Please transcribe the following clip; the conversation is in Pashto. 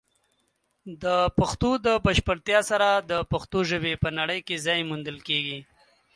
د پښتو د بشپړتیا سره، د پښتو ژبې په نړۍ کې ځای موندل کیږي.